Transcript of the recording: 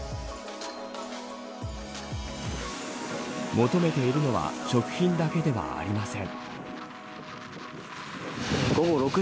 求めているのは食品だけではありません。